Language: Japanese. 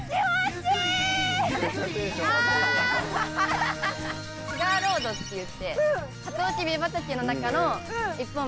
シュガーロードっていってサトウキビ畑の中の一本道。